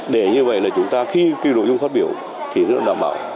để như vậy là chúng ta khi cái nội dung phát biểu thì nó đảm bảo